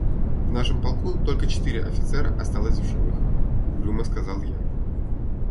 — В нашем полку только четыре офицера осталось в живых, — угрюмо сказал я.